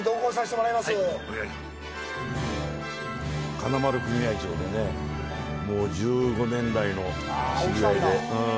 金丸組合長はもう１５年来の知り合いで。